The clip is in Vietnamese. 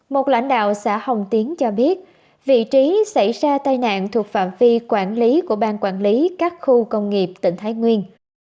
một lãnh đạo xã hồng tiến cho biết vị trí xảy ra tai nạn thuộc phạm vi quản lý của bang quản lý các khu công nghiệp tỉnh thái nguyên